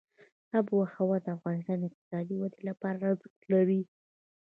آب وهوا د افغانستان د اقتصادي ودې لپاره ارزښت لري.